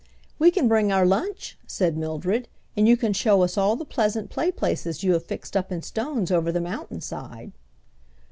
"We can bring our lunch," said Mildred, "and you can show us all the pleasant play places you have fixed up in stones over the mountain side."